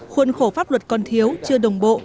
khuôn khổ pháp luật còn thiếu chưa đồng bộ